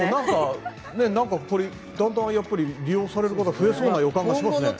だんだん利用される方増えそうな気がしますね。